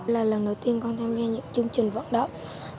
là lần đầu tiên con tham gia những chương trình vận động